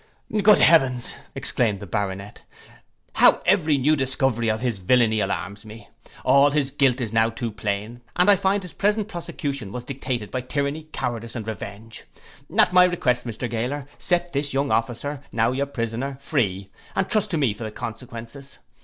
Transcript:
'Good heavens!' exclaimed the Baronet, 'how every new discovery of his villainy alarms me. All his guilt is now too plain, and I find his present prosecution was dictated by tyranny, cowardice and revenge; at my request, Mr Gaoler, set this young officer, now your prisoner, free, and trust to me for the consequences.